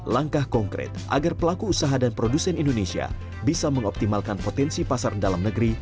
langkah konkret agar pelaku usaha dan produsen indonesia bisa mengoptimalkan potensi pasar dalam negeri